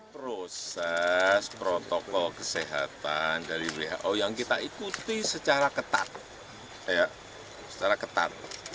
proses protokol kesehatan dari who yang kita ikuti secara ketat secara ketat